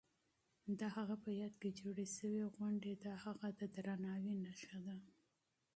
د هغه په یاد کې جوړې شوې غونډې د هغه د درناوي نښه ده.